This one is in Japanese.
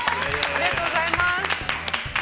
◆ありがとうございます。